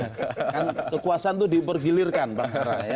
kan kekuasaan itu dipergilirkan pak